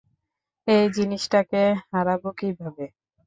এই জিনিসটাকে হারাব কীভাবে?